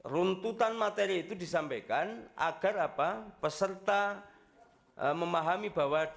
runtutan materi itu disampaikan agar peserta memahami bahwa